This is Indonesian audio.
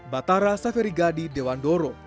batara saferi gadi dewan doro